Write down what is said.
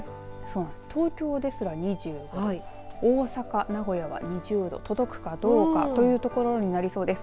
東京ですら２５度大阪、名古屋は２０度届くかどうかというところになりそうです。